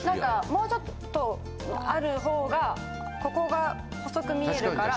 もうちょっとある方がここが細く見えるから。